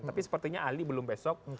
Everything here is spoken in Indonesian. tapi sepertinya ahli belum besok